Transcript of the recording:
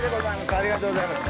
ありがとうございます。